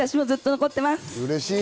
うれしい！